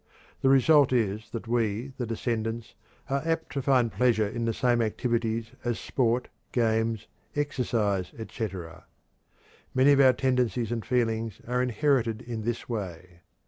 The result is that we, the descendants, are apt to find pleasure in the same activities as sport, games, exercise, etc. Many of our tendencies and feelings are inherited in this way.